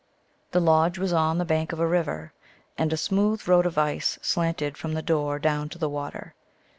The lodge was on the bank 01 a river, and a smooth road of ice slanted from the door down to the water.